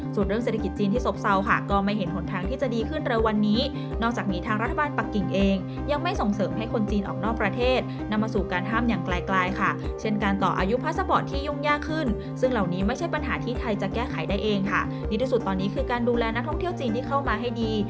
ส่วนเรื่องเศรษฐกิจจีนที่สบเซาค่ะก็ไม่เห็นหนทางที่จะดีขึ้นเลยวันนี้